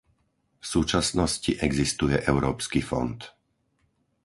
V súčasnosti existuje európsky fond.